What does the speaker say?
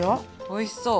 おいしそう。